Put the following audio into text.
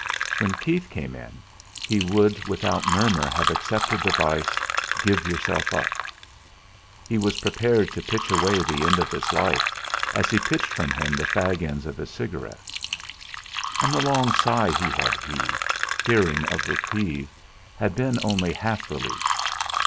When Keith came in he would without murmur have accepted the advice: "Give yourself up!" He was prepared to pitch away the end of his life as he pitched from him the fag ends of his cigarettes. And the long sigh he had heaved, hearing of reprieve, had been only half relief.